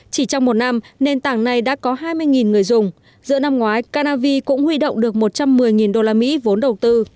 chỉ trong một năm nền tảng này đã có hai mươi người dùng giữa năm ngoái canavi cũng huy động được một trăm một mươi usd vốn đầu tư